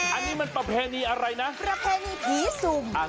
อันนี้มันประเพณีอะไรนะประเพณีผีสุ่ม